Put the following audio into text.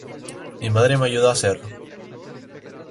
Mi madre me ayudó a hacerlo.